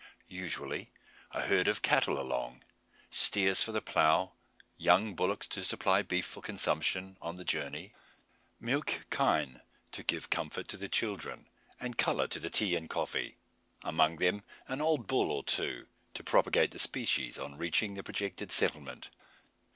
Usually a herd of cattle along steers for the plough, young bullocks to supply beef for consumption on the journey, milch kine to give comfort to the children and colour to the tea and coffee among them an old bull or two, to propagate the species on reaching the projected settlement.